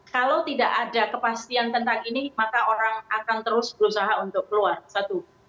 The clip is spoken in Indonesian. kalau tidak ada kepastian tentang ini maka orang akan terus berusaha untuk keluar satu